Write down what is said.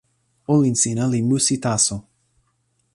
olin sina li musi taso.